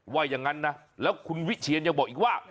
ว่าอย่างนั้นนะแล้วคุณวิเชียนยังบอกอีกว่า